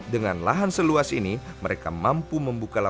dengan lahan seluas ini mereka mampu membuka lahan